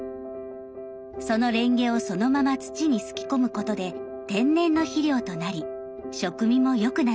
そのレンゲをそのまま土にすき込むことで天然の肥料となり食味も良くなるそう。